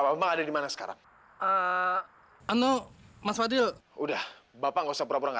sampai jumpa di video selanjutnya